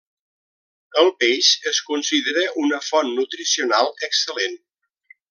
El peix es considera una font nutricional excel·lent.